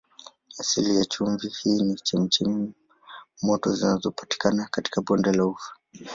Asili ya chumvi hii ni chemchemi moto zinazopatikana katika bonde la Ufa.